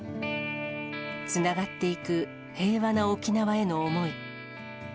つながっていく平和な沖縄への思い。